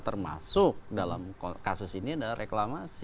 termasuk dalam kasus ini adalah reklamasi